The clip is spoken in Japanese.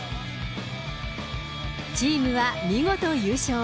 チームは見事優勝。